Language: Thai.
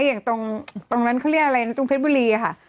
อย่างตรงนั้นเขาเรียกอะไรตรงเพชรบุรีค่ะ